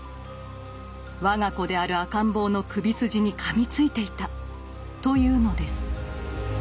我が子である赤ん坊の首筋にかみついていたというのです。